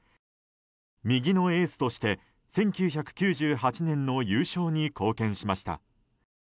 右のエースとして１９９８年の優勝に貢献しました。